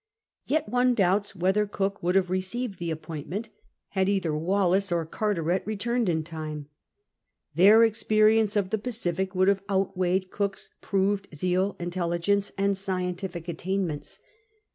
Yet one doubts whether Cook would have received the appointment had either Wallis or Carteret returned in time. Their experience of the Pacific would have outweighed Cook's proved zeal, intelligence, and scientific attainments.